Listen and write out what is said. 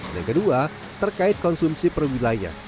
dan kedua terkait konsumsi perwilayah